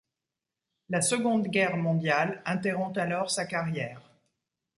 La Seconde Guerre mondiale interrompt alors sa carrière.